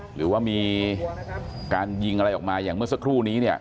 หรือว่ามีการยิงอะไรออกมาอย่างเมื่อสักครู่นี้เนี่ย